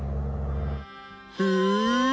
へえ。